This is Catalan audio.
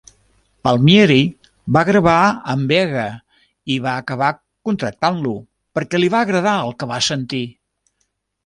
Palmieri va gravar amb Vega i va acabar contractant-lo, perquè li va agradar el que va sentir.